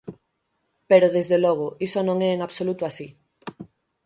Pero, desde logo, iso non é en absoluto así.